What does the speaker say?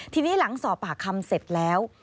ทีนี้หลังสอบปากคำเสร็จแล้ว